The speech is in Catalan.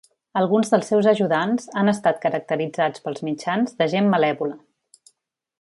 Alguns dels seus ajudants han estat caracteritzats pels mitjans de gent malèvola.